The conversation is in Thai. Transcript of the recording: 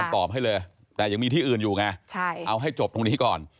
ตอบให้เลยแต่ยังมีที่อื่นอยู่ไงเอาให้จบตรงนี้ก่อน